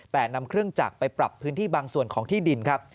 แต่นำเครื่องจักรไปปรับพื้นที่บางส่วนของที่ดินครับ